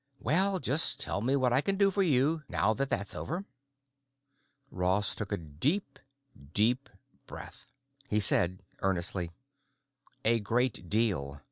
Well, just tell me what I can do for you, now that that's over." Ross took a deep, deep breath. He said earnestly, "A great deal.